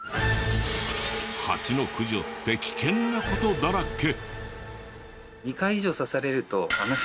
ハチの駆除って危険な事だらけ。